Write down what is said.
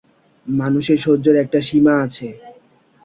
মানুষের সহ্যের একটা সীমা আছে।